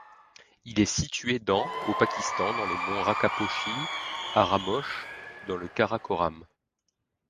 Il est situé dans au Pakistan, dans les monts Rakaposhi-Haramosh, dans le Karakoram.